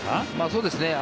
そうですね。